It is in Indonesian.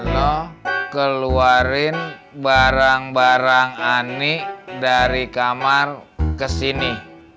lo keluarin barang barang ani dari kamar ke sini